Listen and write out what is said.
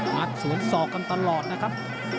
งัดสวนศอกกันตลอดนะครับ